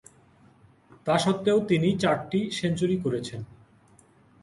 তা স্বত্ত্বেও তিনি চারটি সেঞ্চুরি করেছেন।